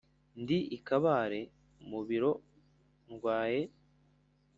Ndi i Kabare mu biro ndwaye :